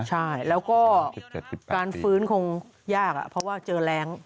ใช่แล้วก็การฟื้นคงยากเพราะว่าเจอแรง